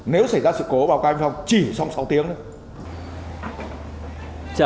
nếu xảy ra sự cố bảo cáo anh phong chỉ trong sáu tiếng thôi